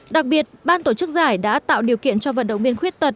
đặc biệt ban tổ chức giải đã tạo điều kiện cho vận động viên khuyết tật